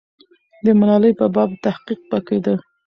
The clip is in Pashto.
د ملالۍ په باب تحقیق به کېده.